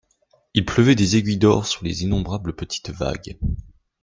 Il pleuvait des aiguilles d'or sur les innombrables petites vagues.